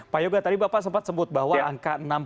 pak yoga tadi bapak sempat sebut bahwa angka enam puluh